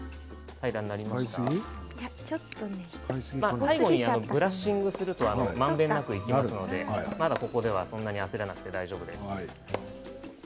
最後にブラッシングするとまんべんなくいきますのでまだここではそんなに焦らなくて大丈夫です。